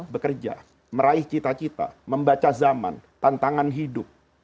bekerja meraih cita cita membaca zaman tantangan hidup